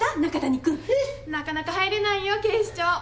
なかなか入れないよ警視庁。